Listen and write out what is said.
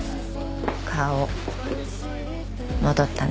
顔戻ったね。